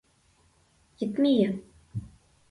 Ит мие...